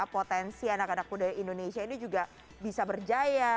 potensi anak anak muda indonesia ini juga bisa berjaya